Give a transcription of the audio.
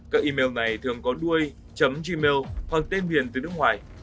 các email này thường có đuôi chấm gmail hoặc tên viền từ nước ngoài